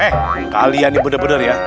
eh kalian nih bener bener ya